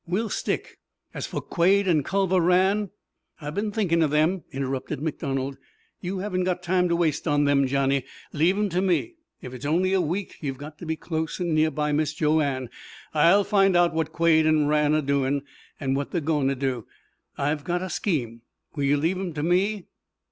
We'll stick! As for Quade and Culver Rann " "I've been thinkin' of them," interrupted MacDonald. "You haven't got time to waste on them, Johnny. Leave 'em to me. If it's only a week you've got to be close an' near by Mis' Joanne. I'll find out what Quade an' Rann are doing, and what they're goin' to do. I've got a scheme. Will you leave 'em to me?"